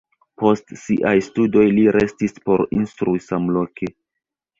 Post siaj studoj li restis por instrui samloke.